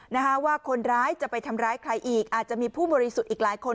นะคะว่าคนร้ายจะไปทำร้ายใครอีกอาจจะมีผู้บริสุทธิ์อีกหลายคน